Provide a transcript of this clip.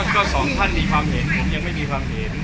ก็สองท่านมีความเห็นผมยังไม่มีความเห็น